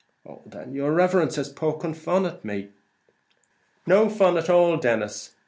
"Oh then, yer riverence is poking yer fun at me." "No fun at all, Denis.